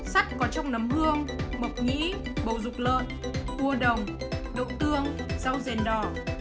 sắt có trong nấm hương mộc nhĩ bầu dục lợn cua đồng đậu tương rau rền đỏ